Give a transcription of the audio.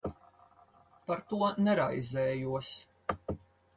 Par to neraizējos.